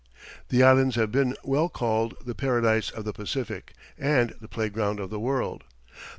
The Islands have been well called "the Paradise of the Pacific" and "the playground of the world."